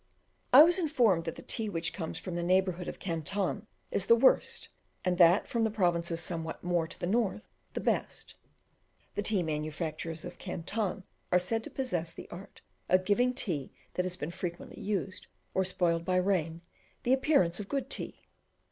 I was informed that the tea which comes from the neighbourhood of Canton is the worst, and that from the provinces somewhat more to the north the best. The tea manufacturers of Canton are said to possess the art of giving tea that has been frequently used, or spoiled by rain, the appearance of good tea.